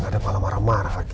ya gak ada malah marah marah lagi